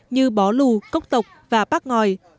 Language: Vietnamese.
như bó lù cốc tộc và bác ngòi